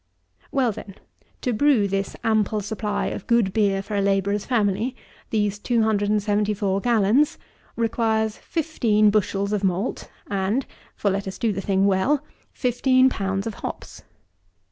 26. Well, then, to brew this ample supply of good beer for a labourer's family, these 274 gallons, requires fifteen bushels of malt and (for let us do the thing well) fifteen pounds of hops.